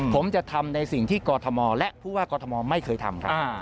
ผมจะทำในสิ่งที่กอธมอธและผู้ว่ากอธมอธไม่เคยทำ